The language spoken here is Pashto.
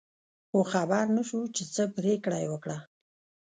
خو خبر نه شو چې څه پرېکړه یې وکړه.